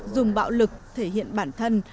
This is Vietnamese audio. dùng bạo lực thể hiện bản thân